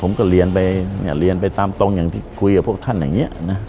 ผมก็เรียนไปเรียนไปตามตรงอย่างที่คุยกับพวกท่านอย่างนี้นะ